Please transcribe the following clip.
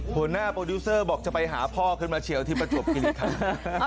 หัวหน้าโปรดิวเซอร์บอกจะไปหาพ่อขึ้นมาเฉียวที่ประจวบคิริคัน